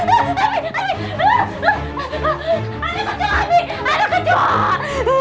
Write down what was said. pasti diumpatinnya disini